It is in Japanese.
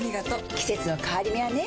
季節の変わり目はねうん。